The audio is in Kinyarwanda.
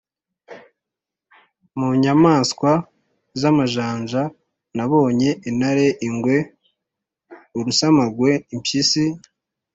mu nyamaswa z’amajanja twabonye intare, ingwe, urusamagwe, impyisi